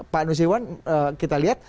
pak nusriwan kita lihat